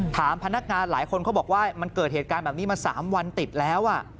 ถามพนักงานหลายคนเขาบอกว่ามันเกิดเหตุการณ์แบบนี้มา๓วันติดแล้ว